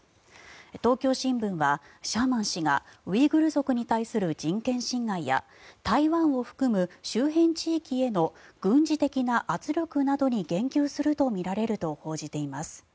東京新聞はシャーマン氏がウイグル族に対する人権侵害や台湾を含む周辺地域への軍事的な圧力などに言及するとみられると報じています。